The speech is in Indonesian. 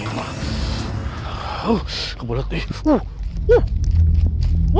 jenasah jujur nenek mandikan sekarang ya